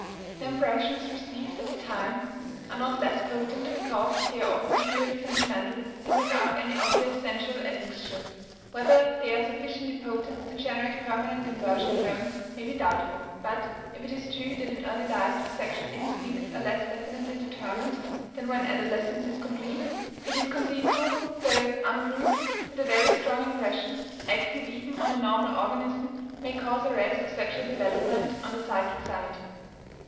The impressions received at the time are not less potent because they are often purely sentimental and without any obvious sensual admixture. Whether they are sufficiently potent to generate permanent inversion alone may be doubtful, but, if it is true that in early life the sexual instincts are less definitely determined than when adolescence is complete, it is conceivable, though unproved, that a very strong impression, acting even on a normal organism, may cause arrest of sexual development on the psychic side.